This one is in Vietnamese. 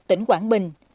tỉnh quảng bình